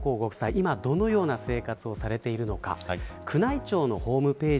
今、どのような生活をされているのか。